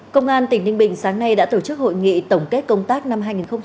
công an tỉnh ninh bình sáng nay đã tổ chức hội nghị tổng kết công tác năm hai nghìn một mươi chín